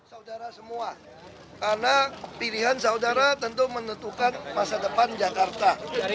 saudara semua karena pilihan saudara tentu menentukan masa depan jakarta